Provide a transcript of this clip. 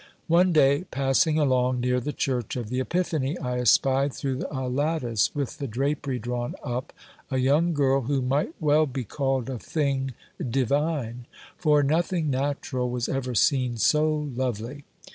One day, passing along near the church of the Epiphany, I espied through a lattice with the drapery drawn up, a young girl who might well be called a thing divine, for nothing natural was ever seen so lovely.